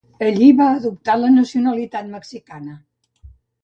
Allí va adoptar la nacionalitat mexicana.